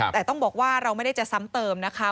แต่ต้องบอกว่าเราไม่ได้จะซ้ำเติมนะคะ